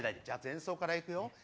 じゃあ前奏からいくよ。